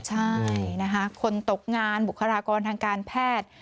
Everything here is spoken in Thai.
ใช่นะคะคนตกงานบุคลากรทางการแพทย์